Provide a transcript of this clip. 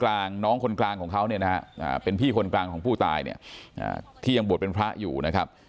น้องคนกลางของเขาเนี่ยนะฮะเป็นพี่คนกลางของผู้ตายเนี่ยที่ยังบวชเป็นพระอยู่นะครับ